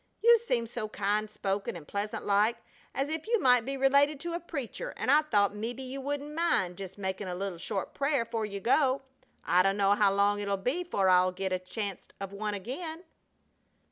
You seem so kind spoken and pleasant like as if you might be related to a preacher, and I thought mebbe you wouldn't mind just makin' a little short prayer 'fore you go. I dunno how long it'll be 'fore I'll get a chancet of one again."